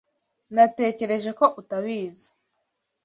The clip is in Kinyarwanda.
Natekereje ko utabizi.